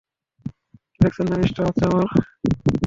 দেখছেন না ডিস্টার্ব হচ্ছে আমার।